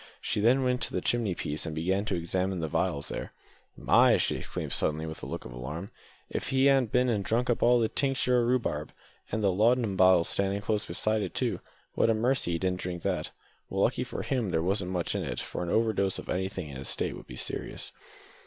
She then went to the chimney piece and began to examine the phials there. "My!" she exclaimed suddenly, with a look of alarm, "if he han't bin an' drunk up all the tinctur' o' rhubarb! An' the laudanum bottle standin' close beside it too! What a mercy he didn't drink that! Well, lucky for him there wasn't much in it, for an overdose of anything in his state would be serious."